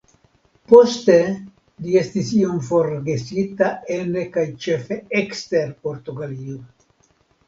Poste li estis iom forgesita ene kaj ĉefe ekster Portugalio.